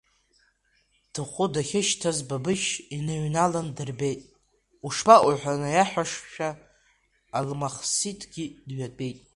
Дхәы дахьышьҭаз Бабышь иныҩналан дырбеит, ушԥаҟоу ҳәа наиаҳәашәа, Алмахсиҭгьы дҩатәеит.